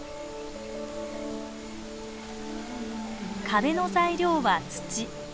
壁の材料は土。